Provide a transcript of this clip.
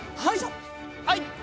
はい！